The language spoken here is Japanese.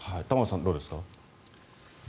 玉川さん、どうですか？